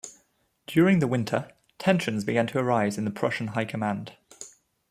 During the winter, tensions began to arise in the Prussian high command.